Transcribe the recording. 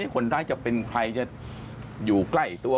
คนร้ายจะเป็นใครจะอยู่ใกล้ตัว